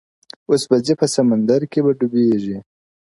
اوس به ځي په سمندر کی به ډوبیږي -